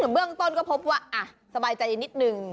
เบื้องต้นก็พบว่าสบายใจนิดนึง